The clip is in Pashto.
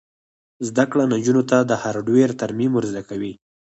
زده کړه نجونو ته د هارډویر ترمیم ور زده کوي.